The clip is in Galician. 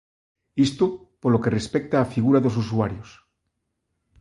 Isto polo que respecta á figura dos usuarios.